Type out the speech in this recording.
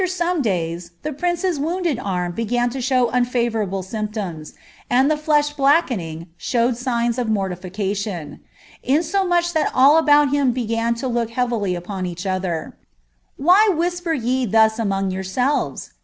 '' 3me days, the prince's wounded arm began to show unfavour ktoms, and the flesh blackening, exhibited si^s of mortification ; that all about him began to look heavily upon each other, [lisper ye thus among yourselves